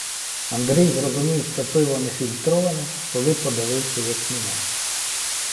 Андрій зрозумів, що пиво нефільтроване, коли подавився ячмінем.